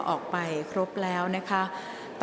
ออกรางวัลเลขหน้า๓ตัวครั้งที่๒